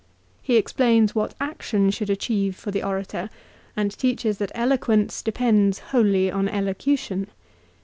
He explains what action should achieve for the orator, and teaches that eloquence depends wholly on elocution.